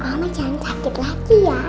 mama jangan sakit lagi ya